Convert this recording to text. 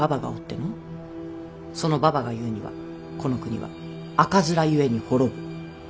そのババが言うにはこの国は赤面ゆえに滅ぶと。